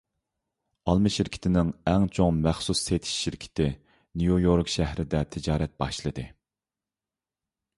ئالما شىركىتىنىڭ ئەڭ چوڭ مەخسۇس سېتىش شىركىتى نيۇ يورك شەھىرىدە تىجارەت باشلىدى.